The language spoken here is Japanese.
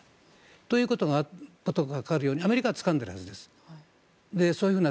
ということがあとから分かるようにアメリカはつかんでいるはずです。